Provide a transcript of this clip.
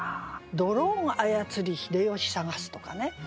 「ドローン操り秀吉探す」とかね。